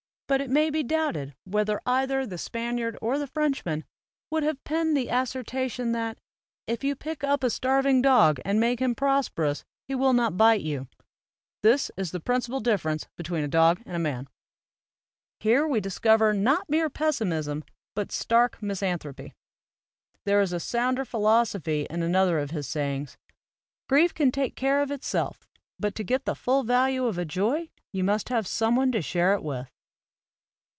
" But it may be doubted whether either the Spaniard or the Frenchman would have penned the assertion that "if you pick up a starving dog and make him prosperous, he will not bite you: this is the principal differ ence between a dog and a man." Here we discover not mere pessimism but stark mis anthropy. There is a sounder philosophy in another of his sayings: "Grief can take care of itself, but to get the full value of a joy you must have some one to share it with."